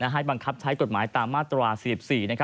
ให้บังคับใช้กฎหมายตามมาตรา๔๔